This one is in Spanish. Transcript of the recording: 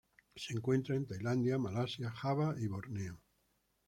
Se encuentra en Tailandia, Malasia, Java y Borneo.